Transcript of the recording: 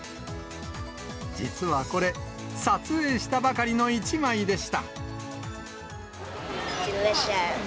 実はこれ、撮影したばかりの１枚でした。